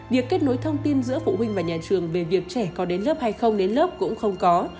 việc kết nối thông tin giữa phụ huynh và nhà trường về việc trẻ có đến lớp hay không đến lớp cũng không có